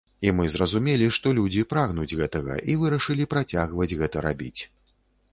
І мы зразумелі, што людзі прагнуць гэтага, і вырашылі працягваць гэта рабіць.